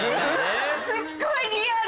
すっごいリアル。